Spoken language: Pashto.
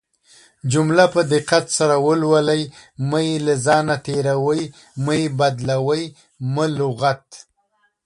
جمله په دقت سره ولولٸ مه يې له ځانه تيروٸ، مه يې بدالوۍ، مه لغت